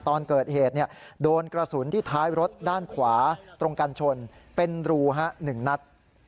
ตอนเกิดเหตุโดนกระสุนที่ท้ายรถด้านขวาตรงกันชนเป็นรู๑นัด